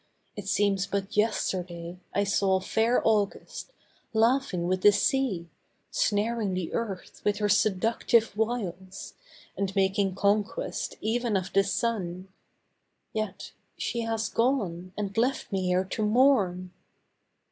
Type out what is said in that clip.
It seems but yesterday I saw fair August, laughing with the Sea, Snaring the Earth with her seductive wiles, And making conquest, even of the Sun. Yet has she gone, and left me here to mourn.